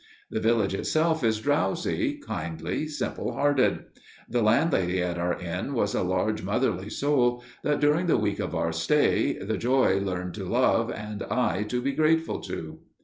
The village itself is drowsy, kindly, simple hearted. The landlady at our inn was a large, motherly soul that, during the week of our stay, the Joy learned to love, and I to be grateful to.